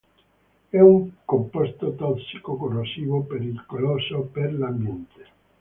È un composto tossico, corrosivo, pericoloso per l'ambiente.